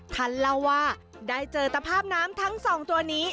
ท่านเล่าว่าได้เจอตภาพน้ำทั้งสองตัวนี้